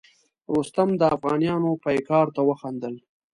رستم د افغانیانو پیکار ته وخندل.